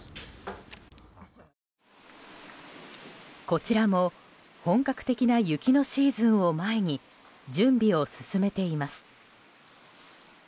こちらも本格的な雪のシーズンを前に準備を進めています。